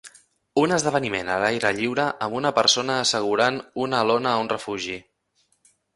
Un esdeveniment a l'aire lliure amb una persona assegurant una lona a un refugi.